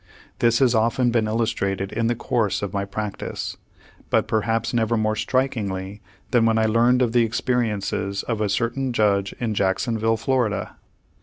This has often been illustrated in the course of my practice, but perhaps never more strikingly than when I learned of the experiences of a certain judge in Jacksonville, Florida.